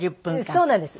そうなんです。